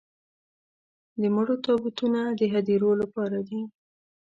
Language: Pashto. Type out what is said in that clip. د مړو تابوتونه د هديرو لپاره دي.